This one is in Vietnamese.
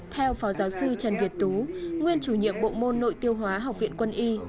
theo phó giáo sư trần việt tú nguyên chủ nhiệm bộ môn nội tiêu hóa học viện quân y